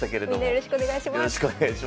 よろしくお願いします。